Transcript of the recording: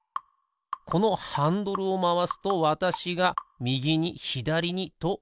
このハンドルをまわすとわたしがみぎにひだりにとうごく箱。